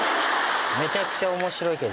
めちゃくちゃおもしろいけど。